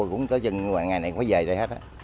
cũng tới chừng ngày này phải về đây hết